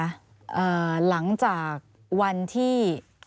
อ่าหลังจากวันที่